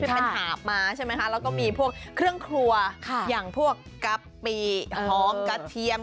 เป็นหาบมาใช่ไหมคะแล้วก็มีพวกเครื่องครัวอย่างพวกกะปิหอมกระเทียม